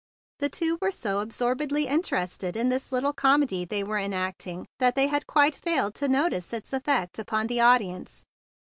The two were so absorbedly in¬ terested in this little comedy they were enacting that they had quite failed to notice its effect upon the audience.